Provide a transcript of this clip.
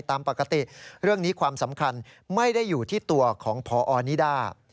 ตามปกติเรื่องนี้ความสำคัญไม่ได้อยู่ที่ตัวของพอนิดา